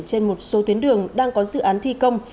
trên một số tuyến đường đang có dự án thi công